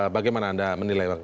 bagaimana anda menilai